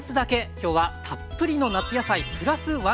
今日は「たっぷりの夏野菜プラス１」